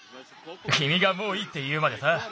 きみがもういいっていうまでさ。